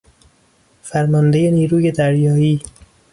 فرماندهی نیروی دریایی